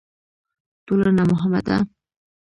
ټولنه مهمه ده.